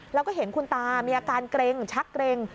แล้วก็เห็นคุณตามีอาการเกร็งชักเกร็ง